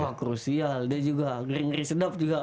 wah krusial dia juga ngeri ngeri sedap juga